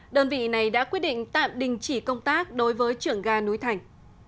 đơn vị này đã quyết định tạm đình chỉ công tác đối với trưởng ga núi thành